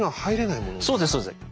そうですそうです。